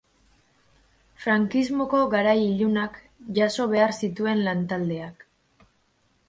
Frankismoko garai ilunak jaso behar zituen lantaldeak.